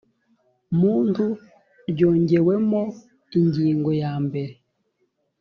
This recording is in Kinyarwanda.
muntu ryongewemo ingingo ya mbere